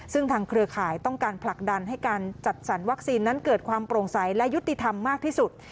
ซึ่งทางเครือข่ายต้องการผลักดันให้การจัดสรรวัคซีนนั้นเกิดความโปร่งใสและยุติธรรมมากที่สุด